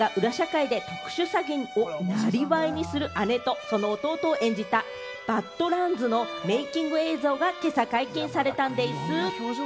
安藤サクラさん、山田涼介さんが、裏社会で特殊詐欺をなりわいにする姉とその弟を演じた映画、『ＢＡＤＬＡＮＤＳバッド・ランズ』のメイキング映像が今朝解禁されたんでぃす。